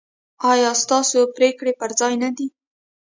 ایا ستاسو پریکړې پر ځای نه دي؟